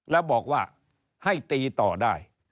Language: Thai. แล้วบอกว่าให้ตีต่อได้